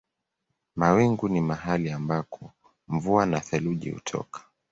Mawingu ni mahali ambako mvua na theluji hutoka.